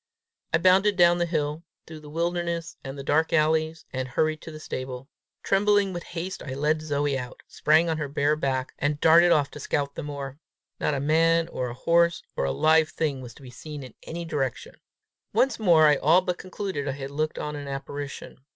I bounded down the hill, through the wilderness and the dark alleys, and hurried to the stable. Trembling with haste I led Zoe out, sprang on her bare back, and darted off to scout the moor. Not a man or a horse or a live thing was to be seen in any direction! Once more I all but concluded I had looked on an apparition.